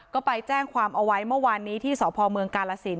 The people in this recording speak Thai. ก็ไปแจ้งความเอาไว้เมื่อวานนี้ที่สพเมืองกาลสิน